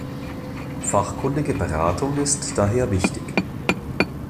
Fachkundige Beratung ist daher wichtig.